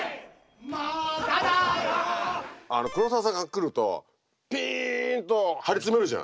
黒澤さんが来るとピンと張り詰めるじゃん。